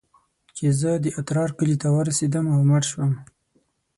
چې زه د اترار کلي ته ورسېدم او مړ سوم.